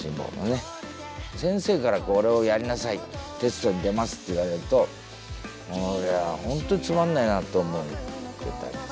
先生から「これをやりなさいテストに出ます」って言われるとこれは本当につまらないなと思ってたんです。